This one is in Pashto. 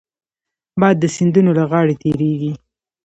باد د سیندونو له غاړې تېرېږي